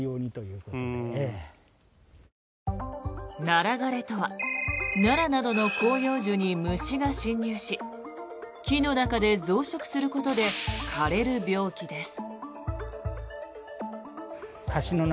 ナラ枯れとはナラなどの広葉樹に虫が侵入し木の中で増殖することで枯れる病気です。